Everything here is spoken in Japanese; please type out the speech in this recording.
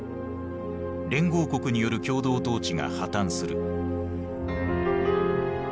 連合国による共同統治が破綻する。